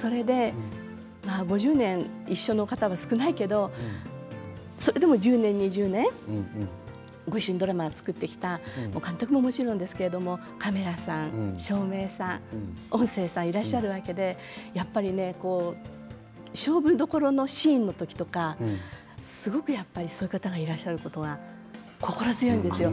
それで５０年一緒の方は少ないけどそれでも１０年２０年ごいっしょにドラマを作ってきた監督ももちろんですけれどカメラさん、照明さん音声さんいらっしゃるわけでやっぱりね勝負どころのシーンとかすごく、やっぱりそういう方がいらっしゃることが心強いんですよ。